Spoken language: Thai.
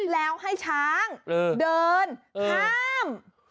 แล้วให้ช้างเดินข้าม